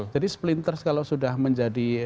jadi splinters kalau sudah menjadi